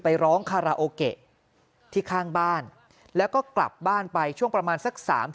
ไปร้องคาราโอเกะที่ข้างบ้านแล้วก็กลับบ้านไปช่วงประมาณสักสาม